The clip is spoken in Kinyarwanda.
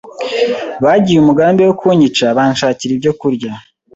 bagiye umugambi wo kunyica banshakira ibyo kurya